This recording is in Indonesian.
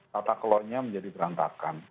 tatakelonnya menjadi berantakan